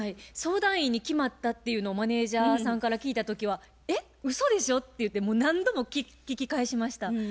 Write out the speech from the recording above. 相談員に決まったっていうのをマネージャーさんから聞いた時は「えっうそでしょ」って言ってもう何度も聞き返しました。